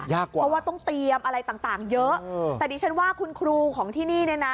ยากกว่าต้องเตรียมอะไรต่างเยอะแต่ดิฉันว่าคุณครูของที่นี่